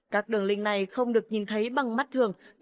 các đường link này không được nhìn thấy bằng các đường link quảng cáo